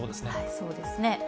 そうですね。